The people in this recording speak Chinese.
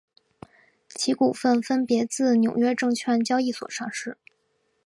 其股份分别自纽约证券交易所上市。